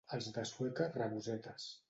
Els de Sueca, rabosetes.